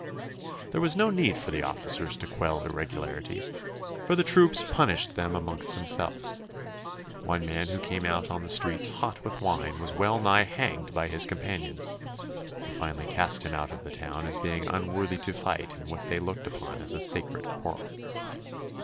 There was no need for the officers to quell irregularities, for the troops punished them amongst themselves. One man who came out on the streets hot with wine was well nigh hanged by his companions, who finally cast him out of the town as being unworthy to fight in what they looked upon as a sacred quarrel.